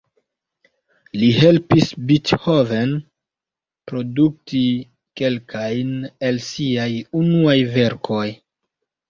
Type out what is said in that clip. Li helpis Beethoven produkti kelkajn el siaj unuaj verkoj.